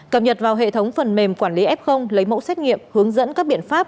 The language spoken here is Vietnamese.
cập nhật vào hệ thống phần mềm quản lý f lấy mẫu xét nghiệm hướng dẫn các biện pháp